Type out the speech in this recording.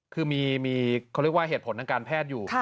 คือมีเขาเรียกว่าเหตุผลทางการแพทย์อยู่